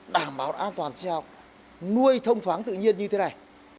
đảm bảo an toàn sinh học nuôi thông thoáng tự nhiên như thế này